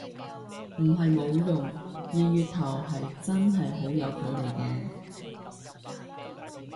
唔係冇用，二月頭係真係好有距離嘅